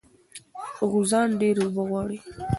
غوزان ډېرې اوبه غواړي.